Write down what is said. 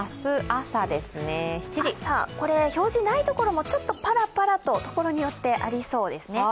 朝、表示ないところもちょっとパラパラと所によってありそうですね。